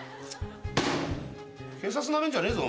警察なめんじゃねえぞ。